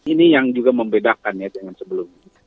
ini yang juga membedakannya dengan sebelumnya